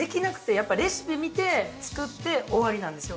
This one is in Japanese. やっぱレシピ見て作って終わりなんですよ。